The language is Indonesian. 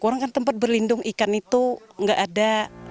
orang kan tempat berlindung ikan itu nggak ada